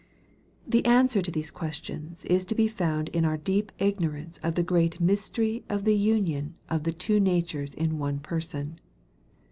The answer to these questions is to be found in our deep ignorance of the great mystery of the union of two natures in one Person.